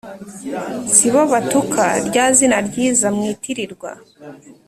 Si bo batuka rya zina ryiza mwitirirwa